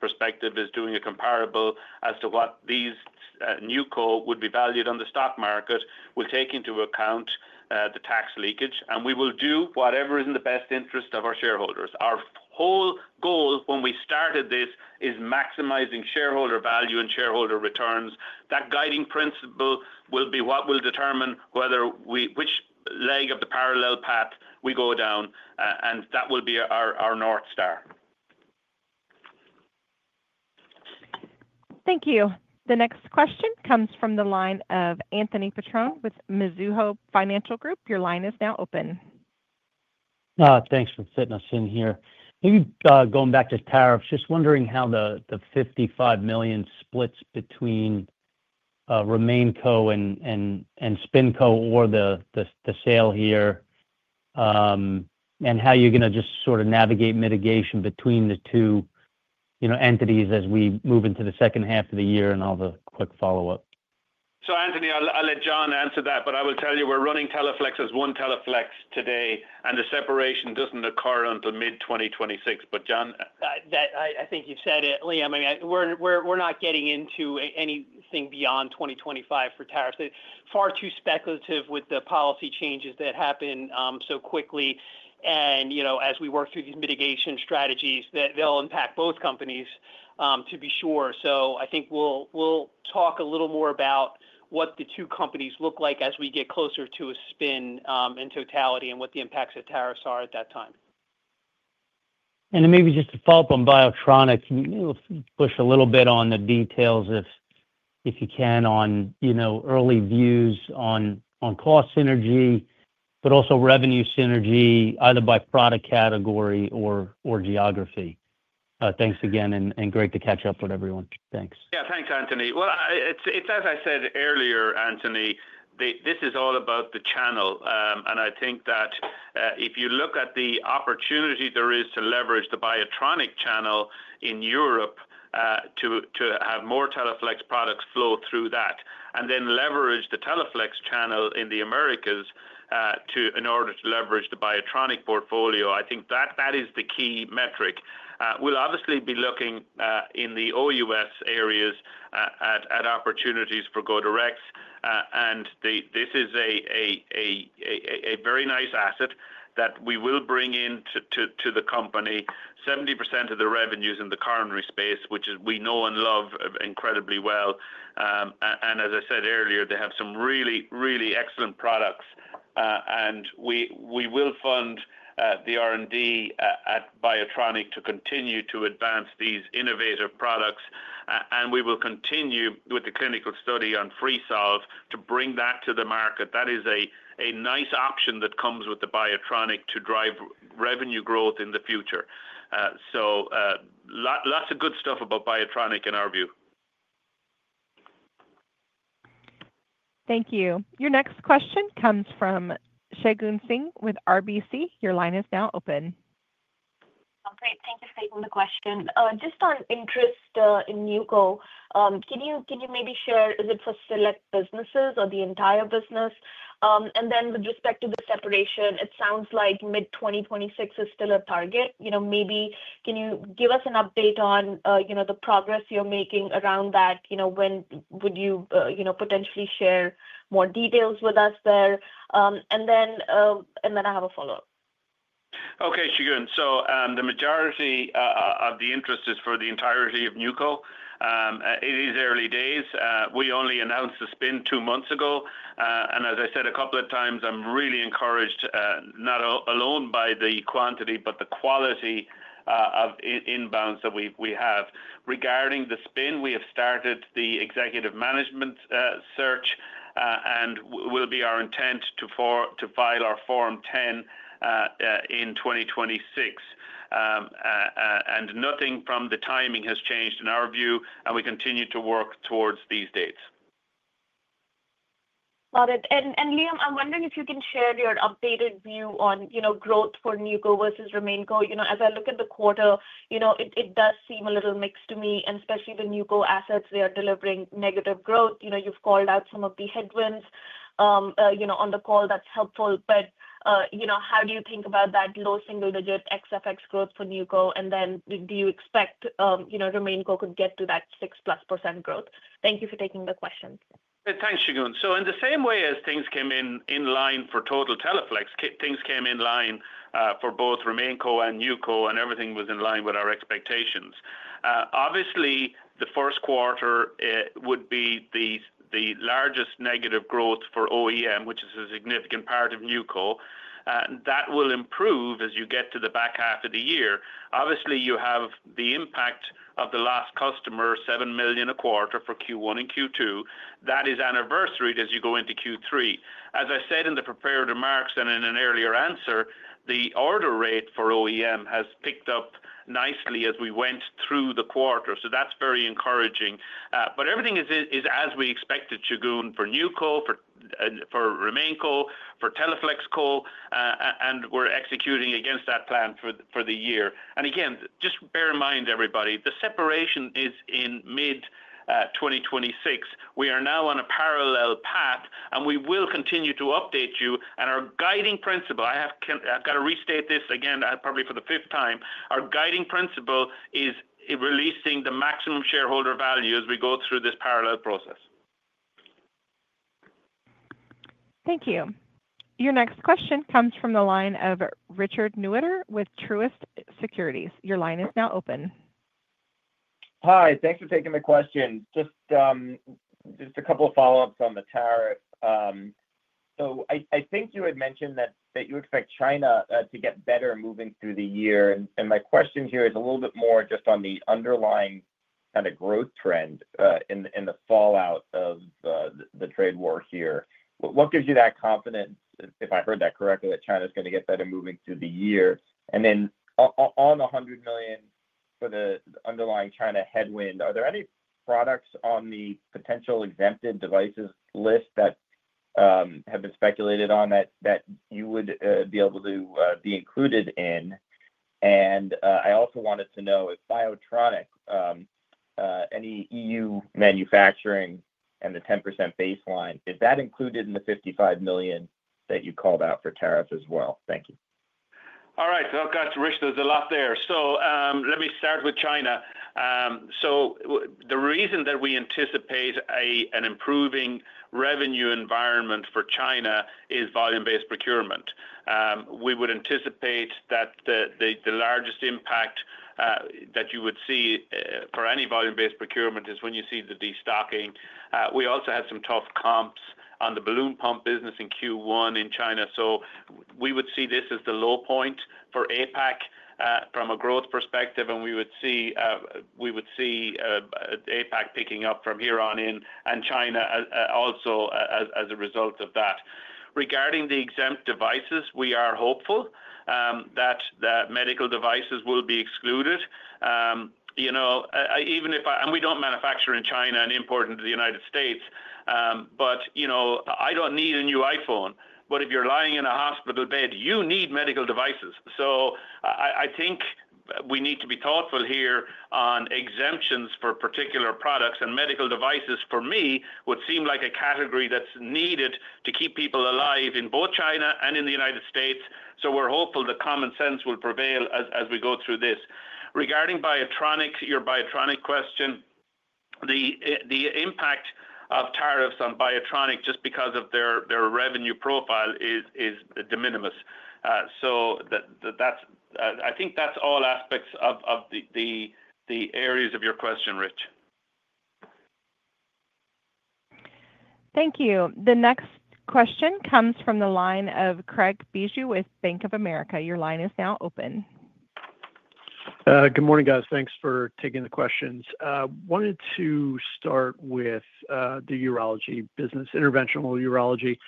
S3: perspective is doing a comparable as to what these NewCo would be valued on the stock market. We'll take into account the tax leakage, and we will do whatever is in the best interest of our shareholders. Our whole goal when we started this is maximizing shareholder value and shareholder returns. That guiding principle will be what will determine which leg of the parallel path we go down, and that will be our North Star.
S1: Thank you. The next question comes from the line of Anthony Petrone with Mizuho Group. Your line is now open.
S9: Thanks for fitting us in here. Maybe going back to tariffs, just wondering how the $55 million splits between RemainCo and SpinCo or the sale here and how you're going to just sort of navigate mitigation between the two entities as we move into the second half of the year and all the quick follow-up.
S3: So Anthony, I'll let John answer that, but I will tell you we're running Teleflex as one Teleflex today, and the separation doesn't occur until mid-2026. John.
S4: I think you've said it, Liam. I mean, we're not getting into anything beyond 2025 for tariffs. Far too speculative with the policy changes that happen so quickly. As we work through these mitigation strategies, they'll impact both companies to be sure. I think we'll talk a little more about what the two companies look like as we get closer to a spin in totality and what the impacts of tariffs are at that time.
S9: Maybe just a follow-up on Biotronik. Push a little bit on the details if you can on early views on cost synergy, but also revenue synergy, either by product category or geography. Thanks again, and great to catch up with everyone. Thanks.
S3: Yeah. Thanks, Anthony. As I said earlier, Anthony, this is all about the channel. I think that if you look at the opportunity there is to leverage the Biotronik channel in Europe to have more Teleflex products flow through that and then leverage the Teleflex channel in the Americas in order to leverage the Biotronik portfolio, I think that is the key metric. We'll obviously be looking in the OUS areas at opportunities for go direct. This is a very nice asset that we will bring into the company. 70% of the revenues in the current respect, which we know and love incredibly well. As I said earlier, they have some really, really excellent products. We will fund the R&D at Biotronik to continue to advance these innovative products. We will continue with the clinical study on Freesolve to bring that to the market. That is a nice option that comes with the Biotronik to drive revenue growth in the future. Lots of good stuff about Biotronik in our view.
S1: Thank you. Your next question comes from Shagun Singh with RBC. Your line is now open.
S10: Great. Thank you for taking the question. Just on interest in NewCo, can you maybe share is it for select businesses or the entire business? With respect to the separation, it sounds like mid-2026 is still a target. Maybe can you give us an update on the progress you are making around that? Would you potentially share more details with us there? I have a follow-up.
S3: Okay. Shagun, the majority of the interest is for the entirety of NewCo. It is early days. We only announced the spin two months ago. As I said a couple of times, I'm really encouraged, not alone by the quantity, but the quality of inbounds that we have. Regarding the spin, we have started the executive management search, and it will be our intent to file our Form 10 in 2026. Nothing from the timing has changed in our view, and we continue to work towards these dates.
S10: Got it. Liam, I'm wondering if you can share your updated view on growth for NewCo versus RemainCo. As I look at the quarter, it does seem a little mixed to me, and especially the NewCo assets, they are delivering negative growth. You've called out some of the headwinds on the call. That's helpful. How do you think about that low single-digit ex-FX growth for NewCo? Do you expect RemainCo could get to that 6%+ growth? Thank you for taking the question.
S3: Thanks, Shagun. In the same way as things came in line for total Teleflex, things came in line for both RemainCo and NewCo, and everything was in line with our expectations. Obviously, the Q1 would be the largest negative growth for OEM, which is a significant part of NewCo. That will improve as you get to the back half of the year. You have the impact of the last customer, $7 million a quarter for Q1 and Q2. That is anniversary as you go into Q3. As I said in the prepared remarks and in an earlier answer, the order rate for OEM has picked up nicely as we went through the quarter. That is very encouraging. Everything is as we expected, Shagun, for NewCo, for RemainCo, for TeleflexCo, and we are executing against that plan for the year. Just bear in mind, everybody, the separation is in mid-2026. We are now on a parallel path, and we will continue to update you. Our guiding principle—I have to restate this again, probably for the fifth time—our guiding principle is releasing the maximum shareholder value as we go through this parallel process.
S1: Thank you. Your next question comes from the line of Richard Newitter with Truist Securities. Your line is now open.
S11: Hi. Thanks for taking the question. Just a couple of follow-ups on the tariff. I think you had mentioned that you expect China to get better moving through the year. My question here is a little bit more just on the underlying kind of growth trend in the fallout of the trade war here. What gives you that confidence, if I heard that correctly, that China is going to get better moving through the year? Then on the $100 million for the underlying China headwind, are there any products on the potential exempted devices list that have been speculated on that you would be able to be included in? I also wanted to know, with Biotronik, any EU manufacturing and the 10% baseline, is that included in the $55 million that you called out for tariff as well?
S3: Thank you. All right. Guys, there's a lot there. Let me start with China. The reason that we anticipate an improving revenue environment for China is volume-based procurement. We would anticipate that the largest impact that you would see for any volume-based procurement is when you see the destocking. We also have some tough comps on the balloon pump business in Q1 in China. We would see this as the low point for APAC from a growth perspective, and we would see APAC picking up from here on in, and China also as a result of that. Regarding the exempt devices, we are hopeful that medical devices will be excluded. Even if—we do not manufacture in China and import into the United States—but I do not need a new iPhone. If you are lying in a hospital bed, you need medical devices. I think we need to be thoughtful here on exemptions for particular products. Medical devices, for me, would seem like a category that is needed to keep people alive in both China and in the United States. We are hopeful that common sense will prevail as we go through this. Regarding your Biotronik question, the impact of tariffs on Biotronik just because of their revenue profile is de minimis. I think that's all aspects of the areas of your question, Rich.
S1: Thank you. The next question comes from the line of Craig Bijou with Bank of America. Your line is now open.
S12: Good morning, guys. Thanks for taking the questions. Wanted to start with the urology business, interventional urology.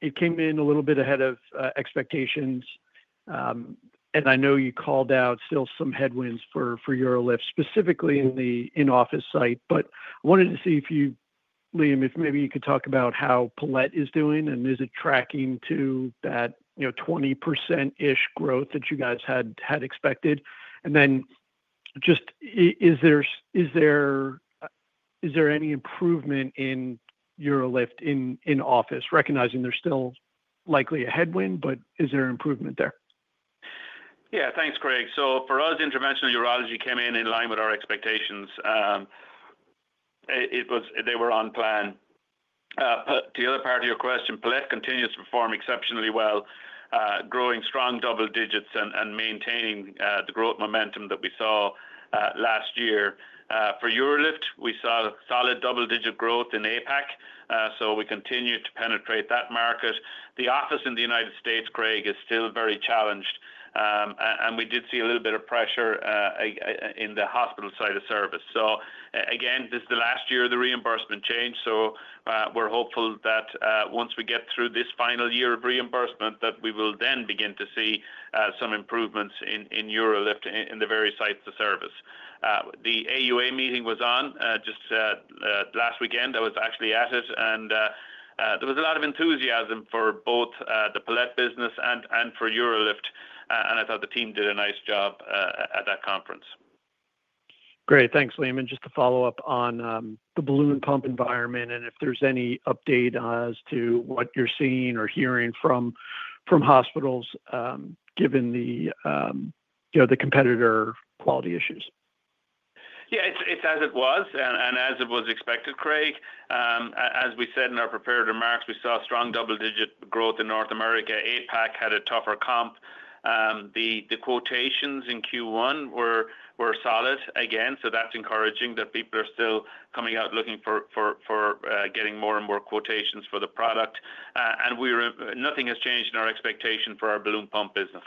S12: It came in a little bit ahead of expectations. I know you called out still some headwinds for UroLift, specifically in the in-office site. I wanted to see if you, Liam, if maybe you could talk about how Barrigel is doing and is it tracking to that 20%-ish growth that you guys had expected. Is there any improvement in UroLift in office, recognizing there's still likely a headwind, but is there improvement there? Yeah.
S3: Thanks, Craig. For us, interventional urology came in in line with our expectations. They were on plan. To the other part of your question, Barrigel continues to perform exceptionally well, growing strong double digits and maintaining the growth momentum that we saw last year. For UroLift, we saw solid double-digit growth in APAC. We continued to penetrate that market. The office in the United States, Craig, is still very challenged. We did see a little bit of pressure in the hospital side of service. This is the last year of the reimbursement change. We are hopeful that once we get through this final year of reimbursement, we will then begin to see some improvements in UroLift in the various sites of service. The AUA meeting was on just last weekend. I was actually at it, and there was a lot of enthusiasm for both the Palette business and for UroLift. I thought the team did a nice job at that conference.
S12: Great. Thanks, Liam. Just to follow up on the balloon pump environment and if there's any update as to what you're seeing or hearing from hospitals given the competitor quality issues.
S3: Yeah. It's as it was and as it was expected, Craig. As we said in our prepared remarks, we saw strong double-digit growth in North America. APAC had a tougher comp. The quotations in Q1 were solid again. That's encouraging that people are still coming out looking for getting more and more quotations for the product. Nothing has changed in our expectation for our balloon pump business.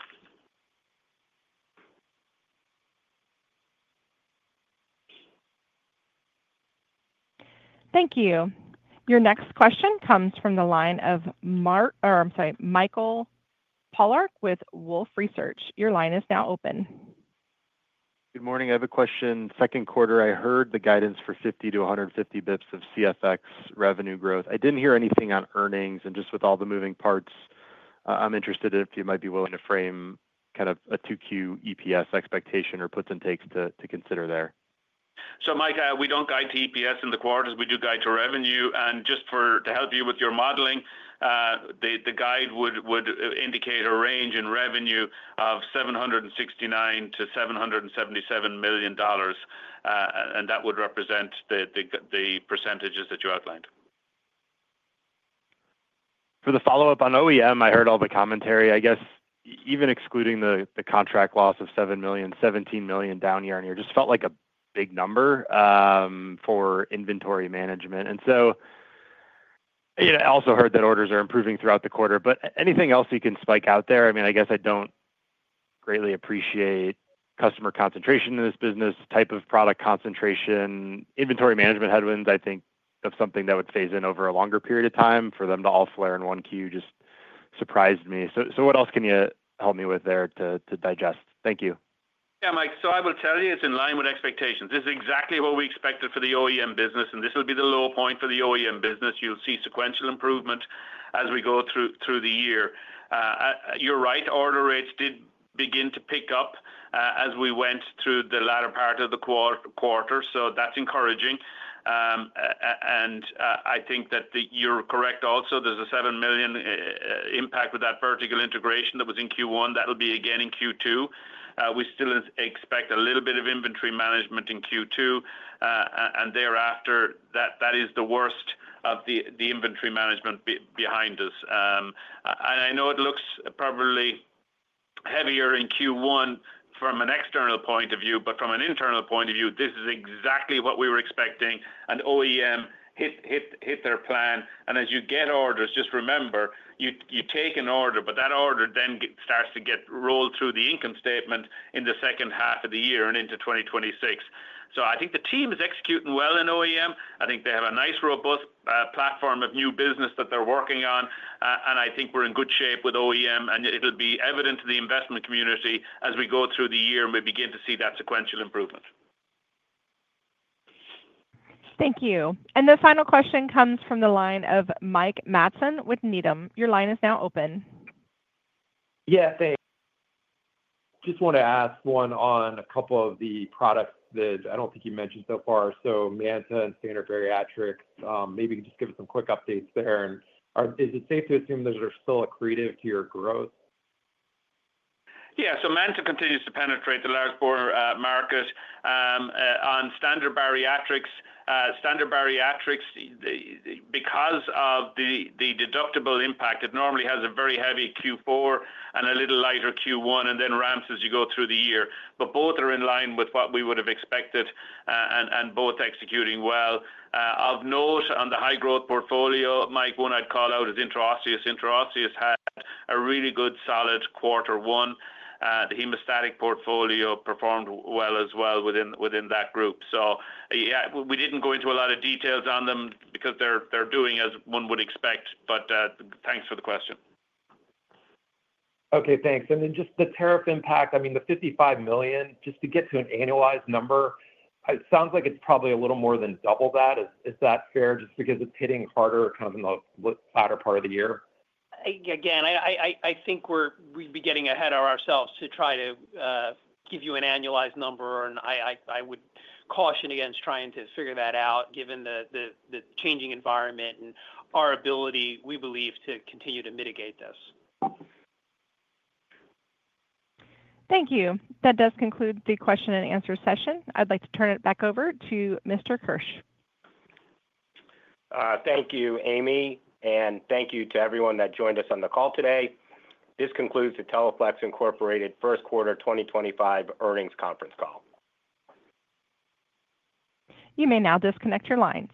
S3: Thank you.
S1: Your next question comes from the line of Mark or I'm sorry, Michael Polark with Wolfe Research. Your line is now open.
S13: Good morning. I have a question. Q2, I heard the guidance for 50 to 150 basis points of TFX revenue growth. I didn't hear anything on earnings. Just with all the moving parts, I'm interested if you might be willing to frame kind of a 2Q EPS expectation or puts and takes to consider there.
S3: Mike, we don't guide to EPS in the quarters. We do guide to revenue. Just to help you with your modeling, the guide would indicate a range in revenue of $769-$777 million. That would represent the percentages that you outlined.
S13: For the follow-up on OEM, I heard all the commentary. I guess even excluding the contract loss of $7 million, $17 million down year on year just felt like a big number for inventory management. I also heard that orders are improving throughout the quarter. Anything else you can spike out there? I mean, I guess I do not greatly appreciate customer concentration in this business, type of product concentration. Inventory management headwinds, I think, are something that would phase in over a longer period of time for them to all flare in one Q just surprised me. What else can you help me with there to digest? Thank you.
S3: Yeah, Mike. I will tell you it is in line with expectations. This is exactly what we expected for the OEM business. This will be the low point for the OEM business. You will see sequential improvement as we go through the year. You are right. Order rates did begin to pick up as we went through the latter part of the quarter. That is encouraging. I think that you're correct also. There's a $7 million impact with that vertical integration that was in Q1. That will be again in Q2. We still expect a little bit of inventory management in Q2. Thereafter, that is the worst of the inventory management behind us. I know it looks probably heavier in Q1 from an external point of view, but from an internal point of view, this is exactly what we were expecting. OEM hit their plan. As you get orders, just remember, you take an order, but that order then starts to get rolled through the income statement in the second half of the year and into 2026. I think the team is executing well in OEM. I think they have a nice robust platform of new business that they're working on. I think we're in good shape with OEM. It will be evident to the investment community as we go through the year and we begin to see that sequential improvement.
S1: Thank you. The final question comes from the line of Mike Matson with Needham. Your line is now open.
S14: Yeah. Thanks. Just want to ask one on a couple of the products that I don't think you mentioned so far. MANTA and Standard Bariatrics, maybe just give us some quick updates there. Is it safe to assume those are still accretive to your growth?
S3: Yeah. MANTA continues to penetrate the large bore market. On Standard Bariatrics, Standard Bariatrics, because of the deductible impact, it normally has a very heavy Q4 and a little lighter Q1 and then ramps as you go through the year. Both are in line with what we would have expected and both executing well. Of note, on the high-growth portfolio, Mike, one I'd call out is Intraosseous. Intraosseous had a really good solid quarter one. The hemostatic portfolio performed well as well within that group. Yeah, we did not go into a lot of details on them because they're doing as one would expect. Thanks for the question.
S14: Okay. Thanks. And then just the tariff impact, I mean, the $55 million, just to get to an annualized number, it sounds like it's probably a little more than double that. Is that fair just because it's hitting harder kind of in the latter part of the year?
S3: Again, I think we'd be getting ahead of ourselves to try to give you an annualized number. I would caution against trying to figure that out given the changing environment and our ability, we believe, to continue to mitigate this.
S1: Thank you. That does conclude the question and answer session. I'd like to turn it back over to Mr. Keusch.
S2: Thank you, Amy. Thank you to everyone that joined us on the call today. This concludes the Teleflex Incorporated Q1 2025 earnings conference call.
S1: You may now disconnect your lines.